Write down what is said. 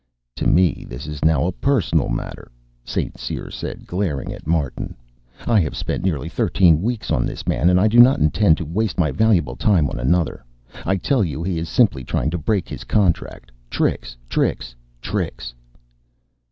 "To me this is now a personal matter," St. Cyr said, glaring at Martin. "I have spent nearly thirteen weeks on this man and I do not intend to waste my valuable time on another. I tell you he is simply trying to break his contract tricks, tricks, tricks."